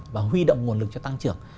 và huy động nguồn lực cho tăng trưởng